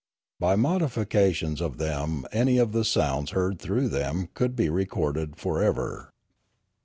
By modifications of them any of the sounds heard through them could be recorded for ever.